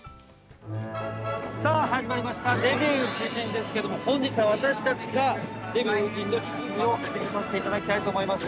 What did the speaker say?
◆さあ、始まりました「デビュー夫人」ですけども本日は、私たちがデヴィ夫人の執事を務めさせていただきたいと思います。